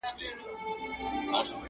خدای دي نه کړي څوک عادت په بدي چاري؛